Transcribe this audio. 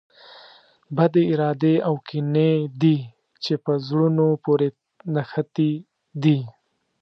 بدې ارادې او کینې دي چې په زړونو پورې نښتي دي.